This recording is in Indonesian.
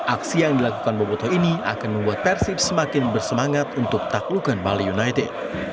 aksi yang dilakukan boboto ini akan membuat persib semakin bersemangat untuk taklukan bali united